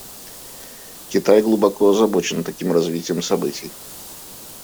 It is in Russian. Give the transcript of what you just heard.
Китай глубоко озабочен таким развитием событий.